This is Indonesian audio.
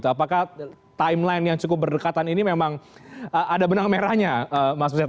apakah timeline yang cukup berdekatan ini memang ada benang benang yang memerlukan